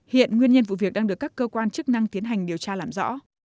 hiện nguyên nhân vụ việc đang được các cơ quan chức năng tiến hành điều tra làm rõ